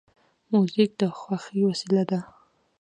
موزیک د خوښۍ وسیله ده.